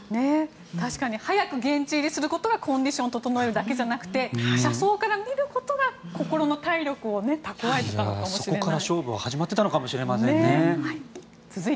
確かに早く現地入りすることがコンディションを整えるだけじゃなくて車窓から見ることで、心の体力を蓄えていたのかもしれない。